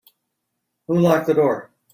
Who locked the door?